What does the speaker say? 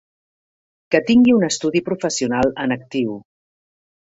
Que tingui un estudi professional en actiu.